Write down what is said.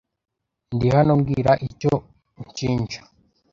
Ndihano mbwira icyo unshinja